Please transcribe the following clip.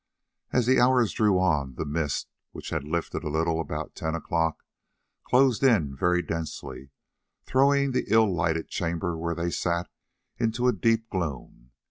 As the hours drew on, the mist, which had lifted a little about ten o'clock, closed in very densely, throwing the ill lighted chamber where they sat into a deep gloom.